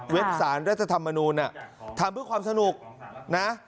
สารรัฐธรรมนูลทำเพื่อความสนุกนะ